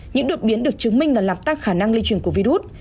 những đột biến được chứng minh là làm tăng khả năng lây truyền của virus